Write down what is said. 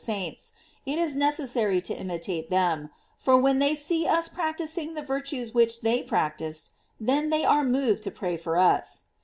593 saints, it is necessary to imitate them, for when they see us practising the virtues which they practised, then they are more moved to pray for us.